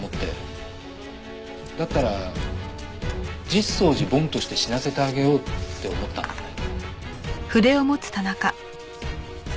だったら実相寺梵として死なせてあげようって思ったんだよね。